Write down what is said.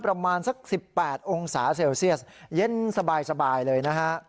ประมาณสัก๑๘องศาเซลเซียสเย็นสบายเลยนะฮะ